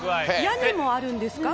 屋根もあるんですか？